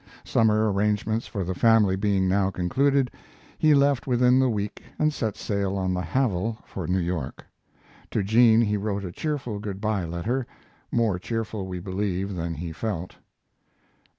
Summer arrangements for the family being now concluded, he left within the week and set sail on the Havel for New York. To Jean he wrote a cheerful good by letter, more cheerful, we may believe, than he felt.